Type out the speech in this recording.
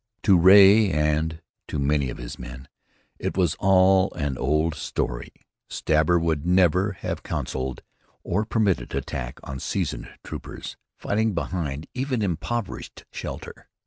To Ray and to many of his men it was all an old story. Stabber would never have counselled or permitted attack on seasoned troopers, fighting behind even improvised shelter.